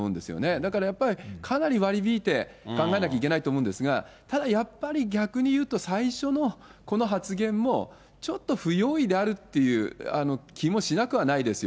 だからやっぱりかなり割り引いて考えなきゃいけないと思うんですが、ただやっぱり逆に言うと、最初のこの発言も、ちょっと不用意であるっていう気もしなくはないですよ。